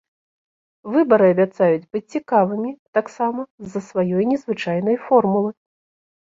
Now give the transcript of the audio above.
Выбары абяцаюць быць цікавымі таксама з-за сваёй незвычайнай формулы.